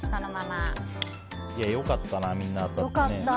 良かったな、みんな当たってね。